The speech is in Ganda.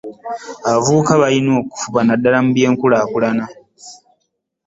Abavubuka balina okufumbuka naddala mu byenkulaakulana.